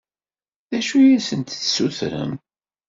D acu i asent-d-tessutrem?